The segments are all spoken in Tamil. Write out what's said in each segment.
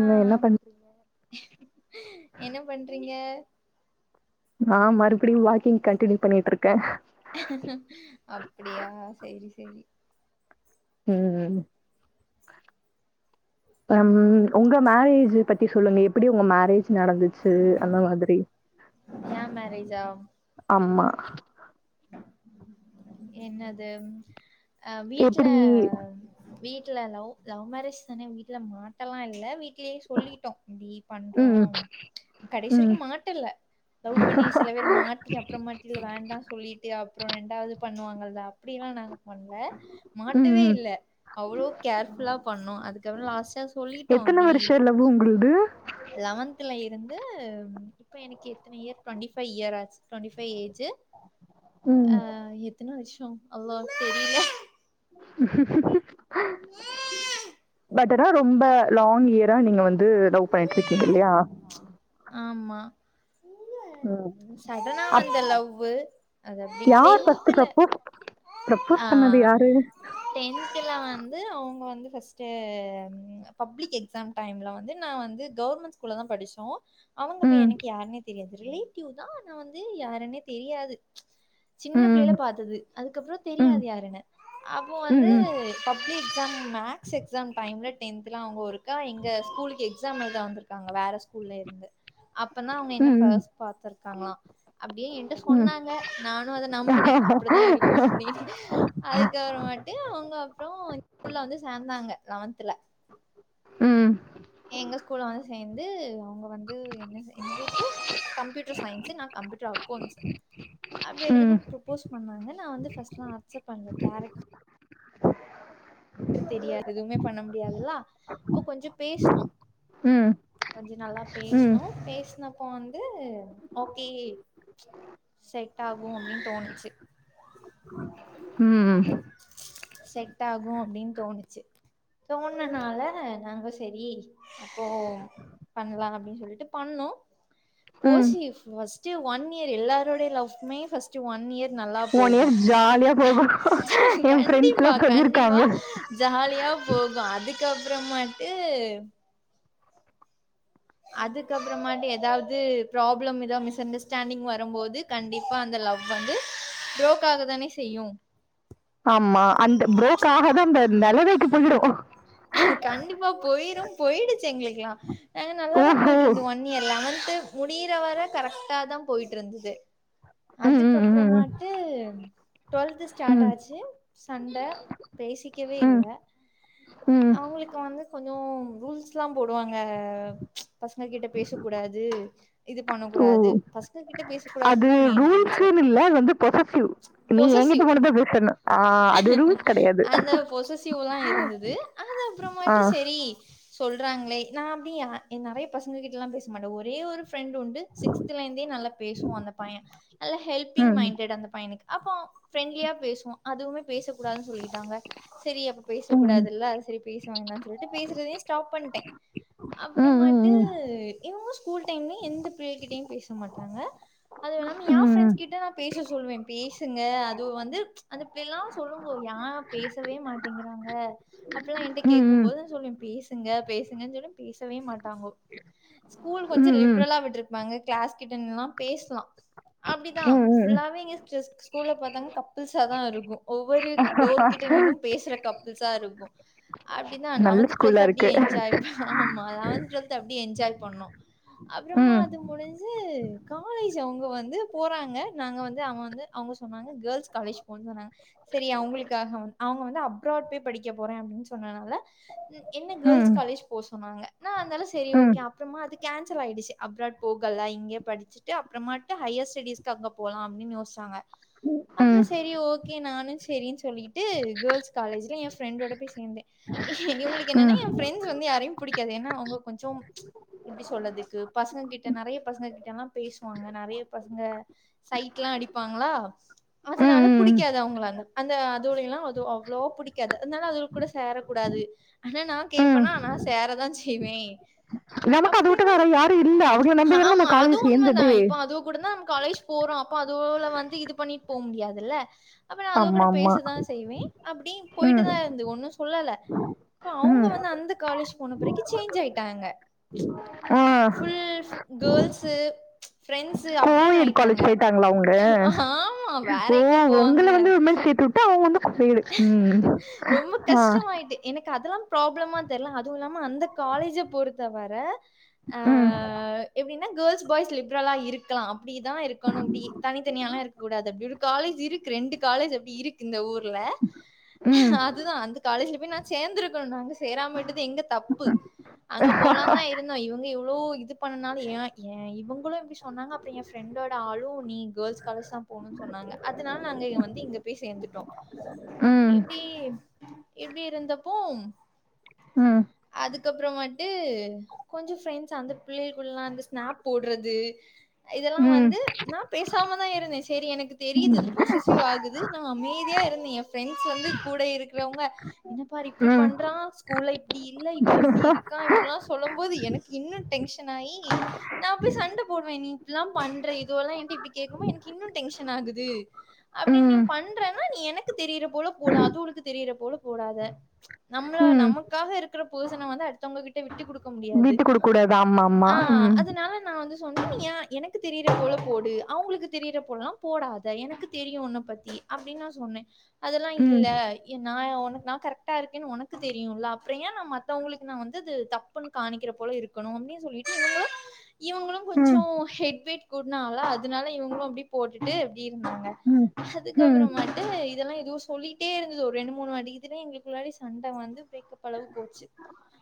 ஆ என்ன பண்றீ என்ன பண்றீங்க நா மறுபிடியு வாக்கிங் கன்டினியூ பண்ணிட்டு இருக்கே அப்படியா சேரி சேரி ம் உம் ம் உங்க மேரேஜ் பத்தி சொல்லுங்க எப்டி உங்க மேரேஜ் நடந்துச்சு அந்த மாதிரி எ ஆமா என்னது அ வீட்ல எப்படி வீட்ல லவ் லவ் மேரேஜ் தானே வீட்ல மாட்டல்லா இல்ல வீட் லயே சொல்லிட்டோ இப்டி பண்றோ ம், ம், கடைசி ம், வரைக்கும் மாட்டல்ல லவ் பண்ணி சில பேரு மாட்டி அப்புறமாட்டுல வேண்டான்னு சொல்லிட்டு அப்றோ ரெண்டாவது பண்ணுவாங்கல்ல அப்படி எல்லா நாங்க பண்ல மாட்டவே ம். இல்ல அவ்ளோ கேர்புல்லா பண்ணோ அதுக்கப்றோ லாஸ்ட்டா சொல்லிட்டோ எத்தனை வருஷம் லவ் உங்களுது லெவன்த்துல இருந்து இப்போ எனக்கு எத்தன இயர் டுவெண்ட்டி ஃபைவ் இயர் ஆச்சு டுவெண்டி ஃபைவ் ஏஜு ம். ஆ எத்தன வர்ஷோ அல்லா தெரியல பட் ஆனா ரொம்ப லாங் இயரா நீங்க வந்து லவ் பண்ணிட்டு இருக்கீங்க இல்லையா ஆமா ம். சடனா அப் வந்த லவ்வு அது அப்டி யார் ஃபர்ஸ்ட் டென்த்துல ப்ரப்போஸ் ப்ரப்போஸ் ஆ பண்ணது யாரு டென்த்துல வந்து அவங்க வந்து ஃபஸ்ட்டு ம் பப்ளிக் எக்ஸாம் டைம்ல வந்து நா வந்து கவர்மெண்ட் ஸ்கூல்லதா படிச்சோ அவங்க அப்ப ம், எனக்கு யாருன்னே தெரியாது ரிலேட்டிவ்தா ஆனா வந்து யாருன்னே தெரியாது சின்னப் பிள்ளைல ம், பாத்தது அதுக்கப்புற ம், தெரியாது யாருன்னு அப்போ ம், வந்து ம், பப்ளிக் எக்ஸாம் மேக்ஸ் எக்ஸாம் டைம்ல டென்த்துல அவங்க ஒருக்கா எங்க ஸ்கூலுக்கு எக் ஸாம் எழுத வந்திருக்காங்க வேற ஸ்கூல்ல இருந்து அப்பந்தா அவங்க ம், என்ன ம், ஃபஸ்ட் பாத்துருக்காங்களா அப்டி என்ட்ட ம். சொன்னாங்க நானு அத நம்புனே அப்பிடிதா இருக்கு அப்டின்னு அதுக்கப்புறமேட்டு அவங்க அப்றோ எங் ஸ்கூல்ல வந்து சேந்தாங்க லெவன்த்ல ம் எங்க ஸ்கூல்ல வந்து சேந்து அவங்க வந்து என்ன என்ன குரூப்பு கம்ப்யூட்டர் சயின்ஸு நா கம்ப்யூட்டர் அக்கௌன்ட்ஸு அப்டி ம், எடுத்துப்ப ப்ரப்போஸ் பண்ணாங்க நா வந்து ஃபஸ்ட்ல அக்செப்ட் பண்ல கேரக் டர் தெரியாது எதுவுமே பண்ண முடியாதுல்லா அப்ப கொஞ்சோ பேசுனோ ம். கொஞ்ச நாளா ம் பேசுனோ பேசுன அப் போ வந்து ஓகே செட் ஆகு அப்டின்னு தோணுச்சு ம் செட் ஆகு அப்டின்னு தோணுச்சு தோணுன்னால நாங்க செரி அப்போ பண்லா அப்டின்னு சொல்லிட்டு பண்ணோ ம் போசி ஃபஸ்ட்டு ஒன் இயரு எல்லாருடைய லவ்மே ஃபஸ்ட்டு ஒன் இயர் நல்லா ஒன் போகு இயர் ஜாலியா போகு கண் என் ஃப்ரெண்ட்ஸ்லா கண்டிப்பா கண்டிப்பா சொல்லிருக்காங்க ஜாலியா போகு அதுக்கப்புறமேட்டு அதுக்கப்புறமாட்டு எதாவது ப்ராப்ளம் எதா மிஸ் அண்டர்ஸ்டாண்டிங் வரும்போது கண்டிப்பா அந்த லவ் வந்து ப்ரோக் ஆகதான செய்யு ஆமா அந்த ப்ரோக் ஆகாத அந்த நெலமைக்கு போயிடு கண்டிப்பா போயிரு போயிடுச்சு எங்களுக்கெல்லா ஆ நல்லாதா ஓஹோ போயிட்ருந்துது ஒன் இயர் லெவன்த்து முடியிற வர கரெக்டாதா போயிட்ருந்துது ம் ம் ம் அதுக்கப்புறமாட்டு டு்வெல்த்து ஸ்டார்ட் ம் ஆச்சு சண்ட பேசிக்கவே ம் இல்ல ம் அவங்களுக்கு வந்து கொஞ்சோ ரூல்ஸ் லா போடுவாங்க பசங்ககிட்ட பேசக்கூடாது இது பண்ணக் ஓ கூடாது பச ங்ககிட்ட அது பேசக்கூடாதுன்னுதா மெயின் ரூல்ஸே ரூல்ஸ்ன்னு இல்ல அது வந்து பொசசிவ் நீ என்கிட்ட பொசஸிவ் மட்டுந்தா பேசணு ஆ அது ரூல்ஸ் கெடையாது அந்த பொசஸிவ்லா இருந்தது அது ஆ அப்புறமாட்டு செரி சொல்றாங்களே நா அப்டி நெறைய பசங்ககிட்ட எல்லா பேச மாட்டே ஒரே ஒரு ஃப்ரெண்ட் உண்டு சிக்ஸ்த்துல இருந்தே நல்லா பேசுவா அந்த பைய நல்ல ஹெல்ப்பிங் ம் மைண்டட் அந்த பையனுக்கு அப்போ ஃப்ரெண்ட்லியா பேசுவோ அதுவுமே பேசக்கூடாதுன்னு சொல்லிட்டாங்க சரி அப்ப ம் பேசக்கூடாதுல்ல செரி பேச வேண்டான்னு சொல்ட்டு பேசுறதயே ஸ்டாப் பண்ட்டே ம் ம் அப்றமாட்டு ம் இவ்ங்களு ஸ்கூல் டைம்ல எந்த பிள்ளை கிட்டயு பேச மாட்டாங்க அதுவுல்லாம ம் எ ம் ஃப்ரெண்ட்ஸ் கிட்ட நா பேச சொல்லுவே பேசுங்க அது வந்து அந்த பிள்ளைல்லா சொல்லுங்கோ யா பேசவே மாட்டேங்கிறாங்க அப்புல்லா என்ட்ட கேக்கும் ம் போது நா சொல்லுவே பேசுங்க பேசுங்கன் சொல்லுவ பேசவே மாட்டாங்கோ ஸ்கூல் கொஞ்சோ ம் ம் லிப்ரலா விட்ருப்பாங்க க்ளாஸ் கிட்ட நின்னுல்லா பேசலா அப்டிதா ம் ஃபுல்லாவே நியூ ஸ்கூல்ல பாத்தாங்கனா கப்புள்ஸா தா இருக்கும் ஒவ்வொரு டோர் கிட்ட நின்னும் பேசுற கப்புள்ஸா இருக்கும் அப்டிதா நல்ல லெவன்த் டுவெல்த் ஸ்கூலா இருக்கு அப்டியே எஞ்ஜாய் பண்ணு ஆமா லெவன்த் டுவெல்த் அப்டி என்ஜாய் பண்ணு அப்பறமா ம் அது முடிஞ்சு காலேஜ் அவங்க வந்து போறாங்க நாங்க வந்து அவ வந்து அவங்க சொன்னாங்க கேர்ள்ஸ் காலேஜ் போனு சொன்னாங்க சரி அவங்களுக்காக வந் அவங்க வந்து அப்ராட் போய் படிக்க போறே அப்டின்னு சொன்னனால ம் என்ன கேர்ள்ஸ் ம் காலேஜ் போ சொன்னாங்க நா இந்தாலு சரி ம் ஓகே அப் புறமா அது கேன்சல் ஆயிடுச்சு அப்ராட் போகல இங்கே படிச்சு ட்டு அப்புறமாட்டு ஹையர் ஸ்டடிஸ்க்கு அங்க போலா அப்டின்னு யோச்சாங்க அப்றோ ம் சரி ஓகே நானு சரினு சொல்லிட்டு கேர்ள்ஸ் காலேஜ்ல என் ஃப்ரெண்டோட போய் சேந்தே இவ்ங்களுக்கு ம் என்னனா எ ஃப்ரெண்ட்ஸ் வந்து யாரையும் புடிக்காது ஏனா அவங்க கொஞ்சொம் எப்டி சொல்றதுக்கு பசங்க கிட்ட நெறைய பசங்க கிட்டல்லா பேசுவாங்க நெறைய பசங்க சைட்லா அடிப்பாங்களா அதனால ம் ம் புடிக்காது அவங்கள அந்த அந்த அதுவுலையெல்லா அது அவ்ளோவா புடிக் காது அதனால அதுக கூட சேர கூடாது ஆனா நா ம் கேட்பனா நா சேறதா செய்வே நமக்கு அது விட்டு அப்டின்னு வேற சொன் யாரும் இல்ல அவங்கள நம்பிதானே நம்ம ஆமா காலேஜ் அதுவும் உண்மதா சேர்ந்தது இப்போ அதுவ கூடதா நம்ம காலேஜ் போறோ அப்போ அதுவுல வந்து இது பண்ணிட்டு போ முடியாதுல்ல அப்ப நா அதுக ஆமா கூட ஆமா பேசதான செய்வே அப்டின் ம் போயிட்டுதா இருந்து ஒன்னு சொல்லல இப்ப அவங்க ம் வந்து அந்த காலேஜ் போன பிறக்கு சேஞ்ச் ஆயிட்டாங்க உ ஃபுல் கேர்ள்ஸு ஃப்ரணட்ஸ் அப்டின்னு கோஎட் ஆயிட்டாங்க காலேஜ் போயிட்டாங்களா அவங்க ஆமா வேற ஓ எங்க போவாங்க உங்களை வந்து விமன் சேர்த்து விட்டு அவங்க வந்து கோஎடு ம் ரொம்ப ஆ கஷ்டமாயிட்டு எனக்கு அதுல்லா ப்ராப்ளமா தெர்ல அதுவு இல்லாம அந்த காலேஜ பொறுத்தவர ம் எப்டின்னா கேர்ள்ஸ் பாய்ஸ் லிப்ரலா இருக்கலா அப்டிதா இருக்கணு அப்டி தனித்தனியாலா இருக்க கூடாது அப்டி ஒரு காலேஜ் இருக்கு ரெண்டு காலேஜ் அப்டி இருக்கு இந்த ஊர்ல ம் அ அதுதா அந்த காலேஜ்ல போய் நா சேந்துருக்கணு அங்க சேராம விட்டது எங்க தப்பு அங்க போலான்தா இ ருந்தோ இவங்க இவ்ளோ இது பண்ணனால ஏ எ இவங்களு அப்டி சொன்னாங்க அப்றோ எ ஃப்ரெண்டோட ஆளு நீ கேர்ள்ஸ் காலேஜ் தா போணுனு சொன்னாங்க அதனால நாங்க இங்க வந்து இங்க போய் சேர்ந்துட்டோ ம் இப்டி இப்டி இருந்தப்போம் ம் அதுக்கப்புறமாட்டு கொஞ்சொ ஃப்ரெண்ட்ஸ் அந்த பிள்ளைக்கூல்லா வந்து ஸ்நாப் போடுறது இதெல்லா ம் வந்து நா பேசாம தா இருந்தே சரி எனக்கு தெரியுது இது பொசஸ்ஸிவ் ஆகுது நா அமைதியா இருந் த எ ஃபிரெண்ட்ஸ் வந்து கூட இருக்கிறவங்க என்ன பார் இப்டி ம் பண்றா ஸ்கூல்ல இப்டி இல்ல இப் ப்ப இப்டி இருக்கா இப்டிலா சொல்லம் போது எனக்கு இன்னு டென்ஷன் ஆயி நா அப்டியே சண்ட போடுவே நீ இப்பில்லா பண்ற இதுவெல்லா என்ட்ட இப்டி கேக்கம்போ எனக்கு இன்னு டென்ஷன் ஆகுது அப்டி ம் நீ பண்றன்னா நீ எனக் கு தெரிற போல போடு அதுவளுக்கு தெரிற போல போடாத நம்மள ம் நம்ம க்காக இருக்கிற பர்சன வந்து அடுத்தவங்க கிட்ட விட்டு குடுக்க முடியாது விட்டு கொடுக்க கூடாது ஆமா ஆமா ஆ ம் அதனால நா வந்து சொன்ன ஏ எனக்கு தெரியிறா போல போடு அவுங்களுக்கு தெரியிற போலா போடாத எனக்கு தெரியு உன்ன பத்தி அப்டின்னு நா சொன்னே அதெல்லா ம் இல்ல ஏ நா உனக்கு நா கரெக்டா இருக்கேன் உனக்கு தெரியுல்ல அப்பற ஏ நா மத்தவங்களுக்கு நா வந்து அது தப் புனு காமிக்கிற போல இருக்கணு அப்டின்னு சொல்லிட்டு இவுங்களு இவுங்களு கொஞ்ச ம் ஹெட் வெயிட் கூடுனாங்களா அதனால இவங்களு அப்டி போட்டுட்டு இப்டி இருந்தாங்க ம் ம் அதுக்கப்புறமட்டு இதெல்லா எதுவு சொல்லிட்டே இருந்தது ஒரு ரெண்டு மூணு வாட்டி இதுலே எங்களுக்குள்ளாற சண்ட வந்து பிரேக்கப் அளவு போச்சு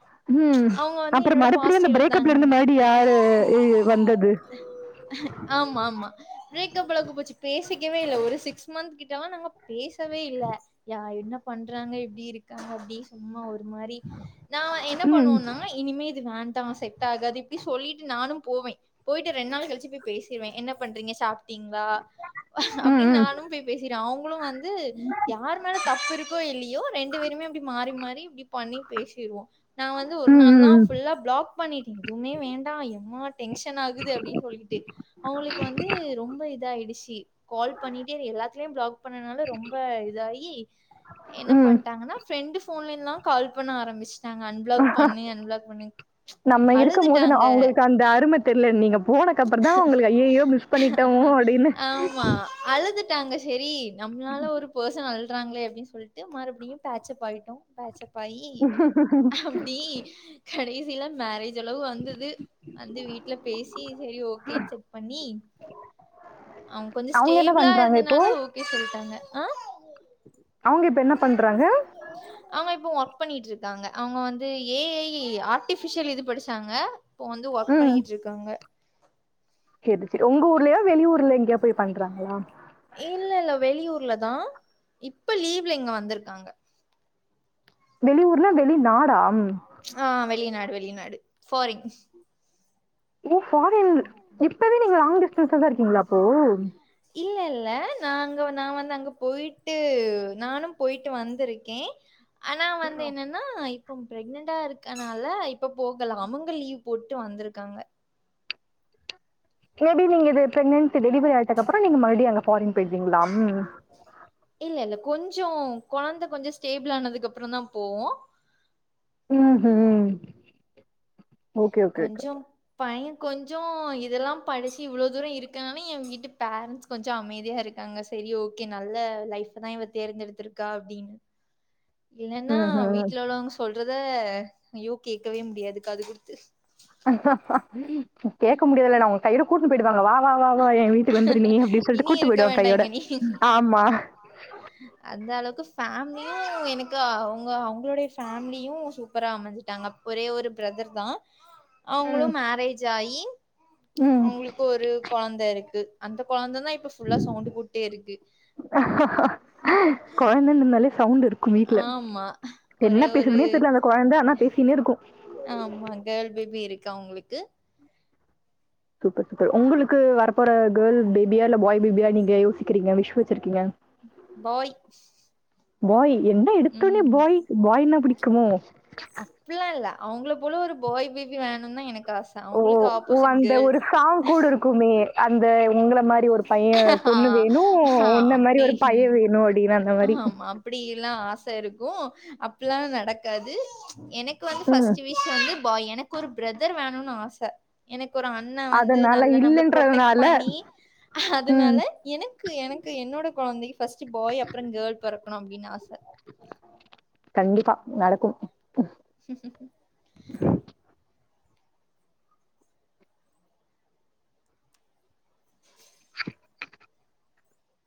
ஆ ம் அவுங்க வந்து அப்புறம் என்னோட மறுபடியும் அந்த பாஸ்ட்ட பிரேக்கப்ல இருந்து இலுத்தாங்கங்க மறுபடியும் யாரு இ- வந்தது ஆமா ஆமா பிரேக்கப் அளவுக்கு போச்சி பேசிக்கவே இல்ல ஒரு சிக்ஸ் மந்த் கிட்டலா நாங்க பேசவே இல்ல யா என்ன பண்றாங்க எப்டி இருக்காங்க அப்டி சும்மா ஒரு மாரி நா என்ன ம் பண்ணுவோனா இனிமே இது வேண்டா செட் ஆகாது இப்டி சொல்லிட்டு நானு போவே போயிட்டு ரெண்டு நாள் கழிச்சி போய் பேசிருவே என்ன பண்றீங்க சாப் ட்டிங்களா ம் ம் அப்டின்னு ம் நானும் போய் பேசிருவே அவுங்களு வந் து யாரு மேல தப்பு இருக்கோ இல்லயோ ரெண்டு பேருமே அப்டி மாறி மாறி இப்டி பண்ணி பேசிருவோ நா வந்து ஒரு ம் நாள்லா ம் ஃபுல்லா பிளாக் பண்ணிட்டே எதுவுமே வேண்டா எம்மா டென்ஷன் ஆகுது அப்டின்னு சொல்லிகிட்டு அவுங்களுக்கு வந்து ரொம்ப இதாயிடுச்சு கால் பண்ணிட்டே எல்லாத்துலயும் பிளாக் பண்ணனால ரொம்ப இதாகி என்ன ம் பண்டாங்கன்னா ஃப்ரெண்டு ஃபோன்லனா கால் பண்ண ஆரம்பிச் டாங்க அன் பிளாக் பண்ணு அன் பிளாக் பண்ணு நம்ம இருக்கும் போது அழுதுட்டாங்க அவங்களுக்கு அந்த அரும தெர்ல நீங்க போனக்கு அப்புற தா ஐயயோ மிஸ் பண்ணிட்டோமோ அப்டின்னு ஆமா அழுதுட்டாங்க செரி நம்மளால ஒரு பர்ச சன் அழுறாங்களே அப்டின்னு சொல்லிட்டு மறுபடியு பேட்ச் அப் ஆயிட்டோ பேட்ச் அப் ஆயி அப்டி கடைசியில மேரேஜ் ஜ் அளவு வந்தது வந்து வீட்ல பேசி செரி ஓகேன்னு செக் பண்ணி அவுங்க கொஞ்ச அவங்க என்ன ஸ்டேபிளா பண்றாங்க இப்போ இருந்தனால ஓகே சொல்லிட்டாங்க ஆ அவுங்க இப்ப என்ன பண்றாங்க அவுங்க இப்போ ஒர்க் பண்ணிட்டு இருக்காங்க அவுங்க வந்து ஏ ஐ ஆர்ட்டிஃபிஷியல் இது படிச்சாங்க இப்போ வந்து ஒர்க் பண்ணிட்டு இருக்காங்க செரி செரி உங்க ஊர்லயா வெளி ஊர்ல எங்கேயா போய் பண்றாங்களா இல்ல இல்ல வெளியூர்ல தா இப்ப லீவ்ல இங்க வந்திருக்காங்க வெளியூர்னா வெளி நாடா ஆ வெளிநாடு வெளிநாடு ஃபாரின் ஓ ஃபாரின் இப்பவே நீங்க லாங் டிஸ்டன்ஸ்ல தா இருக்கீங்களா அப்போ இல்ல இல்ல நா அங்க நா வந்து அங்க போயிட்டு நானும் போயிட்டு வந்திருக்கே ஆனா வந்து என்னன் ஆனா இப்போ பிரெக்னன்டா இருக்கனால இப்ப போகல அவுங்க லீவ் போட்டு வந்திருக்காங்க மேபீ இது பிக்னன்சி டெலிவரி ஆயிட்டது அப்றம் நீங்க மறுபடி அங்க ஃபாரின் போயிருவிங்களா இல்ல இல்ல கொஞ்சோ கொழந்த கொஞ்ச ஸ்டேபிள் ஆனதுக்கு அப்புறந்தா போவோ ம்ஹு கொஞ்சம் பைய கொஞ்சொ இதுல்லா படிச்சி இவ்ளோதூரொ இருக்கான்னு எ வீட்டு பேரண்ட்ஸ் கொஞ்சொ அமைதியாருக்காங்க செரி ஓக்கே நல்ல லைஃப்தா இவ தேர்ந்தெடுத்திருக்கா அப்டின்னு இல்லன்னா ம் ம் வீட்டுல உள்ளவங்க சொல்றத ஐயோ கேக்கவே முடியாது காதுகுடுத்து கேட்க முடியாதுல்ல நா உங் கையோட கூட்டுனுபோயிடுவாங்க வாவா வா எ வீட்டு வந்துரு நீ அப்டி சொல்லிட்டு இனி கூட்டு இருக்க போயிடுவாங்க கையோட ம் ஆம்மா உஹ அந்த அளவுக்கு ஃபேமிலியு எனக்கு அவங்க அவங்களுடைய ஃபேமிலியு சூப்பரா அமைஞ்சுட்டாங்க ஒரே ஒரு பிரதர்தா அவுங்ளு ம், மேரேஜ் ஆயி ம். அவுங்குளுக்கு ஒரு கொழந்தருக்கு அந்த கொழந்த தா இப் ப்ப ஃபுல்லா சவுண்ட் போட்டேருக்கு ன்னன் இருந்தாலே சவுண்ட்டு இருக்கும் வீட்டுல என்ன ஒரே ஒரு பேசுதுன்னே தெர்ல அந்த கொழந்தா ஆன்னா பேஸ்சினே இருக்கு ஆம்மா கேர்ள் பேபி இருக்கு அவுங்ளுக்கு சூப்பர் சூப்பர் உங்களுக்கு வரப்போற கேர்ள்பேபியா இல்ல பாய்பேபியா நீங்க யோசிக்கிறீங்க விஷ் வச்சிருக்கீங்க பாய் பாய் என்ன எடுத்தோன்னே ம் பாய் பாய்ன்னா பிடிக்குமோ அப்பில்லா இல்ல அவுங்கள போல ஒரு பாய் பேபி வேணும்னு தா எனக்கு ஆசை ஓ ஓ அந்த ஒரு சாங் கூட இருக்குமே அந்த உங்கள மாரி ரி ஒரு பைய ஆ பொண்ணு வேணு ஆ ஒன்ன மாரி அப்டி ஒரு பைய வேணு அட்டின்னு அந்த மாரி அப்டியில்லா ஆச இருக்கூ அப்பில்லா நடக்காது எனக் கு வந்து ம் ஃபஸ்ட் விஷ் வந்து பாய் எனக்கு ஒரு பிரதர் வேணுன்னு ஆச எனக்கு ஒரு அண்ண வந்து அதனால நல்ல நம்ப்ள ப்ரொடெக்ட் இல்லன்றதுனால பண்ணி ம் அதுனால எனக்கு எனக்கு என்னோட கொழந்தைக்கு ஃபர்ஸ்ட்டு பாய் அப்பற கேர்ள் பொறக்கணு அப்டின்னு ஆச கண்டிப்பா நடக்கு சரி சரி சரி